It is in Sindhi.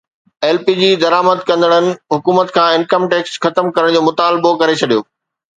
ايل پي جي درآمد ڪندڙن حڪومت کان انڪم ٽيڪس ختم ڪرڻ جو مطالبو ڪري ڇڏيو